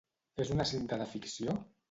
Es una cinta de ficció?